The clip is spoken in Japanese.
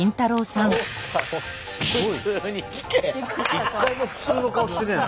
一回も普通の顔してねえな。